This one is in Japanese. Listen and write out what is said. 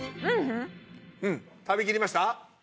うん食べきりました？